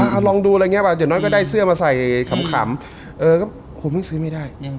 ถ้าลองดูอะไรสักระจากก็ได้เสื้อมาใส่